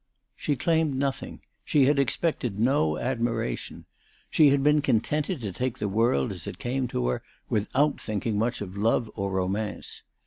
She claimed nothing. She had expected no admiration. She had been con tented to take the world as it came to her, without thinking much of love or romance.